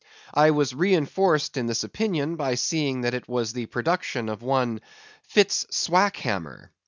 I was reinforced in this opinion by seeing that it was the production of one "Fitz Swackhammer."